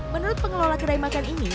menurut pengelola kedai makan ini